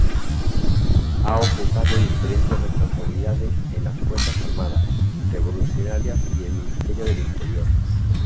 Ha ocupado diferentes responsabilidades en las Fuerzas Armadas Revolucionarias y el Ministerio del Interior.